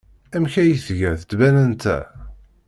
Amek ay tga tbanant-a?